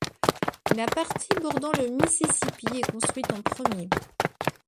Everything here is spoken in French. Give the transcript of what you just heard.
La partie bordant le Mississippi est construite en premier.